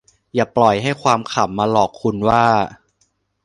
อย่าปล่อยให้ความขำมาหลอกคุณว่า